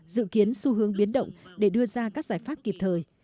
dự kiến xu hướng biến động để đưa ra các giải pháp kịp thời